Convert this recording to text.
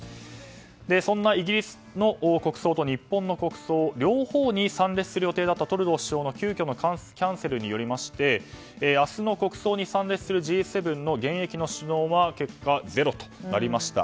そんなイギリスの国葬と日本の国葬両方に出席する予定だったトルドー首相の急きょのキャンセルによりまして明日の国葬に参列するＧ７の現役の首脳は結果ゼロとなりました。